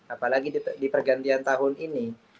apalagi di pergantian tahun ini